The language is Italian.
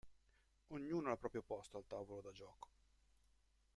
Ognuno ha il proprio posto al tavolo da gioco.